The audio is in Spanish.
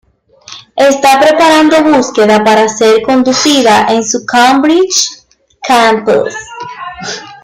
Está preparando búsqueda para ser conducida en su Cambridge campus.